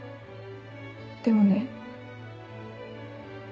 でもね。